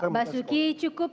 pak basuki cukup